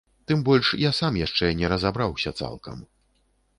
Тым больш, я сам яшчэ не разабраўся цалкам.